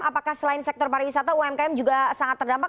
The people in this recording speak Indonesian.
apakah selain sektor pariwisata umkm juga sangat terdampak